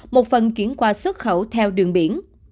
một phần chuyển qua xuất khẩu theo đường biển